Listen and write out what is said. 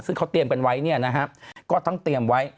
ซึ่งเขาเตรียมกันไว้ก็ต้องเตรียมไว้